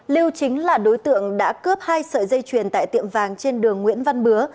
liêu chính là đối tượng đã cướp hai sợi dây chuyền tại tiệm vàng trên đường nguyễn văn bứa